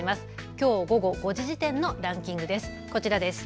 きょう午後５時時点のランキングです。